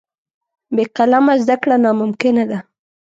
بې قلمه زده کړه ناممکنه ده.